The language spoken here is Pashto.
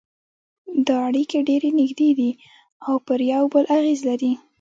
دا اړیکې ډېرې نږدې دي او پر یو بل اغېز لري